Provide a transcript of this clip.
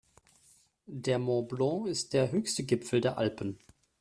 Der Mont Blanc ist der höchste Gipfel der Alpen.